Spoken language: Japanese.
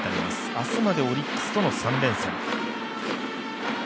あすまでオリックスとの３連戦。